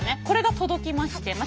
これが届きまして。